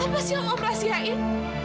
apa sih yang om rahasiain